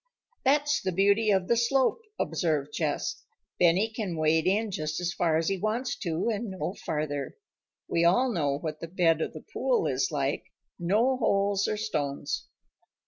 "That's the beauty of the slope," observed Jess. "Benny can wade in just as far as he wants to, and no farther. We all know what the bed of the pool is like no holes or stones."